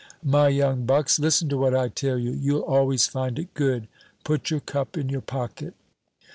My young bucks, listen to what I tell you; you'll always find it good put your cup in your pocket."